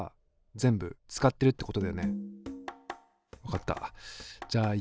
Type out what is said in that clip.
全部使ってるってこと？